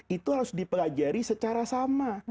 itu harus dipelajari secara sama